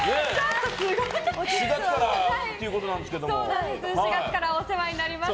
４月から４月からお世話になります。